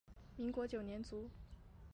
民国九年卒。